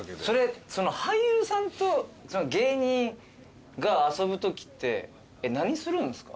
俳優さんと芸人が遊ぶときって何するんですか？